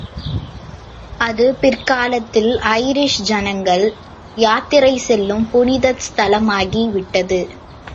அது பிற்காலத்தில் ஐரிஷ் ஜனங்கள் யாத்திரை செல்லும் புனித ஸ்தலமாகி விட்டது!